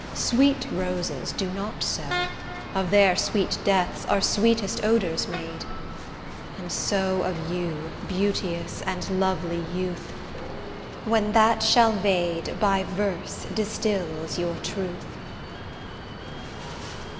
Sweet roses do not so; Of their sweet deaths, are sweetest odours made: And so of you, beauteous and lovely youth, When that shall vade, by verse distills your truth.